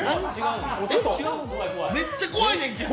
めっちゃ怖いねんけど。